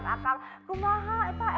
aduh kangen suaranya